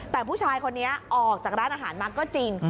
แต่ผู้ชายคนนี้ออกจากร้านอาหารมาก็จริง